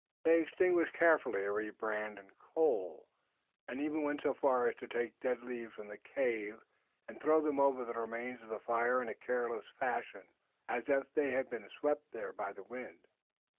They extinguished carefully every brand and coal, and even went so far as to take dead leaves from the cave and throw them over the remains of the fire in careless fashion as if they had been swept there by the wind.